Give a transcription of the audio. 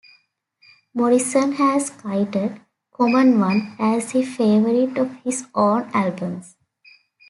Morrison has cited "Common One" as his favorite of his own albums.